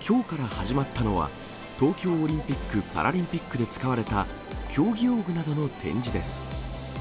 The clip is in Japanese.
きょうから始まったのは、東京オリンピック・パラリンピックで使われた競技用具などの展示です。